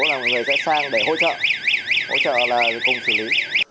là người sẽ sang để hỗ trợ hỗ trợ là cùng xử lý